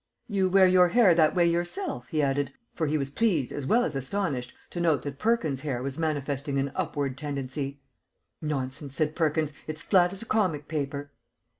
"You wear your hair that way yourself," he added, for he was pleased as well as astonished to note that Perkins's hair was manifesting an upward tendency. "Nonsense," said Perkins. "It's flat as a comic paper."